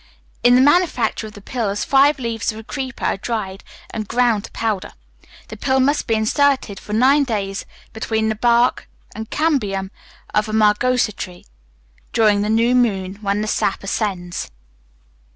In the manufacture of the pills, five leaves of a creeper are dried, and ground to powder. The pill must be inserted for nine days between the bark and cambium of a margosa tree (Melia Azadirachta) during the new moon, when the sap ascends."